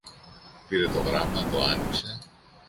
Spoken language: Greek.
Πήρε το γράμμα, το άνοιξε